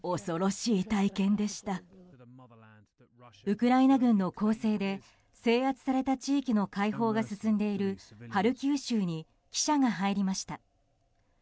ウクライナ軍の攻勢で制圧された地域の解放が進んでいるハルキウ州に記者が入りました。